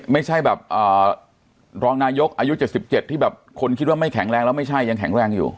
ไม่ใช่แบบรองนายกอายุ๗๗ที่แบบคนคิดว่าไม่แข็งแรงแล้วไม่ใช่ยังแข็งแรงอยู่